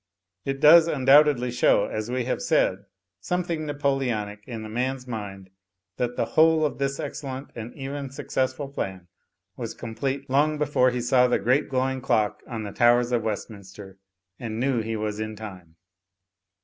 It does imdoubtedly show, as we have said, some thing Napoleonic in the man's mind that the whole of this excellent and even successful plan was complete long before he saw the great glowing clock on the towers of Westminster ; and knew he was in time.